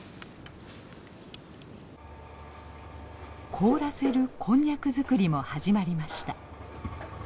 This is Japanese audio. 凍らせるこんにゃく作りも始まりました。